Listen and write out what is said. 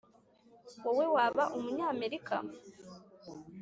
wowe waba umunyamerika?